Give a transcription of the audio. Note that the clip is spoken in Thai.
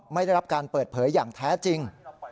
ไม่ได้รับการเปิดเผยอย่างแท้จริง